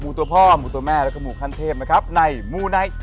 หมู่ตัวพ่อหมู่ตัวแม่กระหมู่คันเทศภ์นะครับในหมู่ไหน